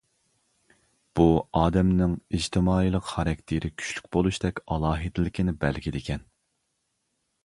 بۇ ئادەمنىڭ ئىجتىمائىيلىق خاراكتېرى كۈچلۈك بولۇشتەك ئالاھىدىلىكىنى بەلگىلىگەن.